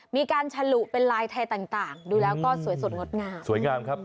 มีการฉลุเป็นลายไทยต่างดูแล้วก็สวยสุดงดงาม